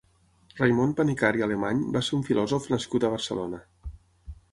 Raimon Panikkar i Alemany va ser un filòsof nascut a Barcelona.